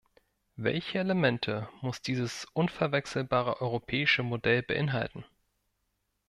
Welche Elemente muss dieses unverwechselbare europäische Modell beinhalten?